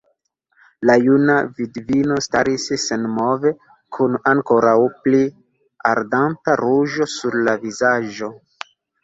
La juna vidvino staris senmove, kun ankoraŭ pli ardanta ruĝo sur la vizaĝo.